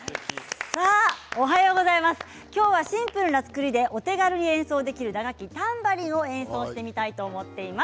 今日はシンプルな作りでお手軽に演奏できる打楽器タンバリンを演奏してみたいと思っています。